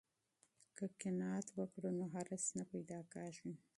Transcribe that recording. که قناعت وکړو نو حرص نه پیدا کیږي.